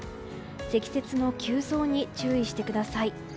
積雪の急増に注意してください。